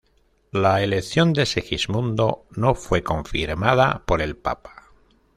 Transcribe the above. La elección de Segismundo no fue confirmada por el papa.